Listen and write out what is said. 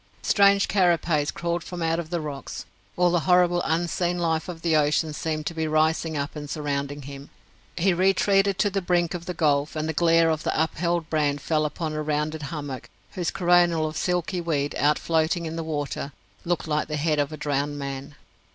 Strange carapaces crawled from out of the rocks. All the horrible unseen life of the ocean seemed to be rising up and surrounding him. He retreated to the brink of the gulf, and the glare of the upheld brand fell upon a rounded hummock, whose coronal of silky weed out floating in the water looked like the head of a drowned man.